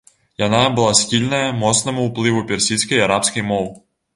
Яна была схільная моцнаму ўплыву персідскай і арабскай моў.